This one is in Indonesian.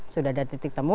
sudah ada titik temu